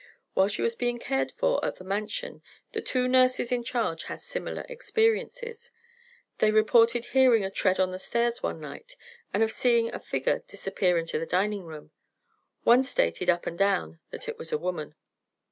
While she was being cared for at the Mansion, the two nurses in charge had similar experiences. They reported hearing a tread on the stairs one night and of seeing a figure disappear into the dining room. One stated up and down that it was a woman.